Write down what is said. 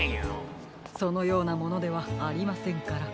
そのようなものではありませんから。